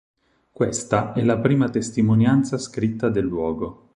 Questa è la prima testimonianza scritta del luogo.